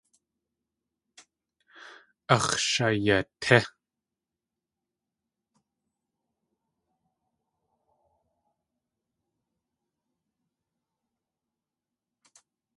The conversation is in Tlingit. Áx̲ shayatí!